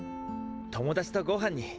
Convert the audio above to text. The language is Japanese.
友達とごはんに。